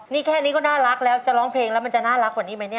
นี่แค่นี้ก็น่ารักแล้วจะร้องเพลงแล้วมันจะน่ารักกว่านี้ไหมเนี่ย